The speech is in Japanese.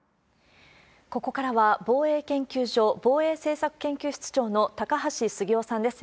ここからは防衛研究所防衛政策研究室長の高橋杉雄さんです。